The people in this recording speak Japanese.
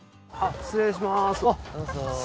失礼します。